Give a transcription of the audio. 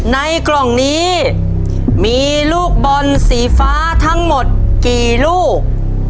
ในกล่องนี้มีลูกบอลสีฟ้าทั้งหมดกี่ลูก